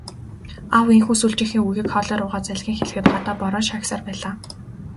Аав ийнхүү сүүлчийнхээ үгийг хоолой руугаа залгин хэлэхэд гадаа бороо шаагьсаар байлаа.